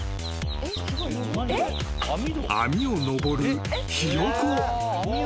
［網を登るひよこ］